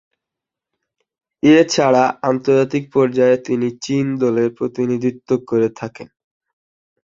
এছাড়া আন্তর্জাতিক পর্যায়ে তিনি চীন দলের প্রতিনিধিত্ব করে থাকেন।